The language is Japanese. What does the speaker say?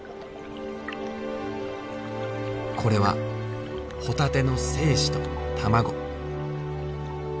これはホタテの精子と卵。